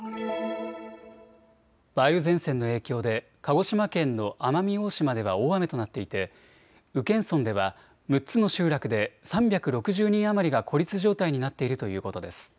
梅雨前線の影響で鹿児島県の奄美大島では大雨となっていて宇検村では６つの集落で３６０人余りが孤立状態になっているということです。